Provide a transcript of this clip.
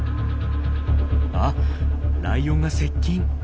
あっライオンが接近！